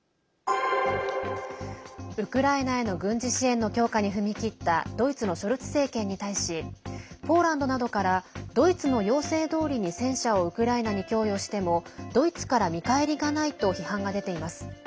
ウクライナへの軍事支援の強化に踏み切ったドイツのショルツ政権に対しポーランドなどからドイツの要請どおりに戦車をウクライナに供与してもドイツから見返りがないと批判が出ています。